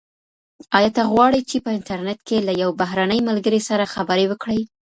ایا ته غواړې چي په انټرنیټ کي له یو بهرني ملګري سره خبرې وکړې؟